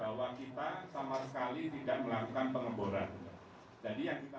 bahwa kita sama sekali tidak melakukan pengeboran